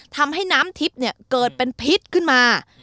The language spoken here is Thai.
ทำให้น้ำทิพย์เกิดเป็นพิษขึ้นมา